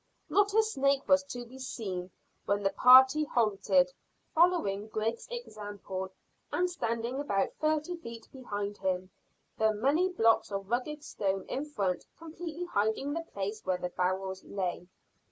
Not a snake was to be seen when the party halted, following Griggs's example, and standing about thirty feet behind him, the many blocks of rugged stone in front completely hiding the place where the barrels lay.